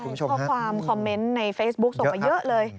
มีข้อความคอมเมนต์ในเฟซบุ๊คส่งมาเยอะเลย